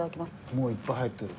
もういっぱい入ってる？